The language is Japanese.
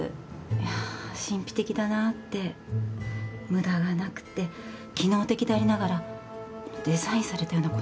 いやあ神秘的だなあって無駄がなくて機能的でありながらデザインされたような